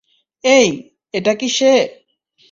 এই, এটা কি সে?